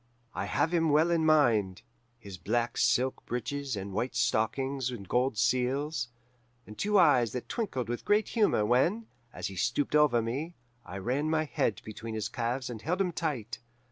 "I have him well in mind: his black silk breeches and white stockings and gold seals, and two eyes that twinkled with great humour when, as he stooped over me, I ran my head between his calves and held him tight.